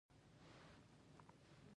د ځمکې لاندې اوبه کمې شوي؟